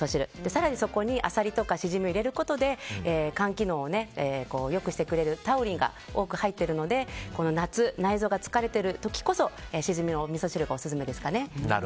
更に、そこにアサリとかシジミを入れることで肝機能を良くしてくれるタウリンが多く入っているので夏、内臓が疲れている時こそシジミのみそ汁がオススメですかね。